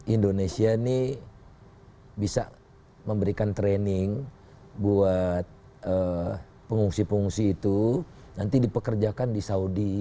indonesia ini bisa memberikan training buat pengungsi pengungsi itu nanti dipekerjakan di saudi